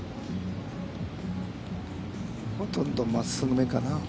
ほとんど真っすぐ目かな？